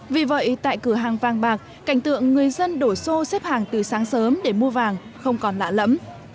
vì vậy tại cửa hàng vàng bạc cảnh tượng người dân đổ xô xếp hàng từ sáng sớm để mua vàng không còn lạ lẫm